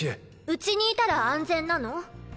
家にいたら安全なの？